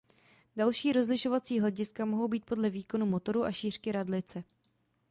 Další rozlišovací hlediska mohou být podle výkonu motoru a šířky radlice.